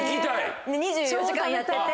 ２４時間やってて。